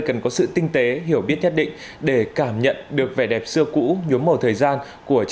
cần có sự tinh tế hiểu biết nhất định để cảm nhận được vẻ đẹp xưa cũ